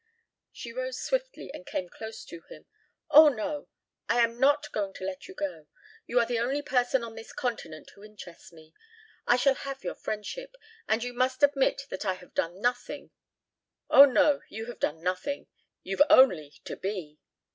She rose swiftly and came close to him. "Oh, no! I am not going to let you go. You are the only person on this continent who interests me. I shall have your friendship. And you must admit that I have done nothing " "Oh, no, you have done nothing. You've only to be."